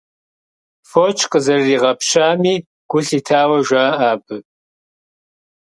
Фоч къызэрырагъэпщами гу лъитауэ жаӏэ абы.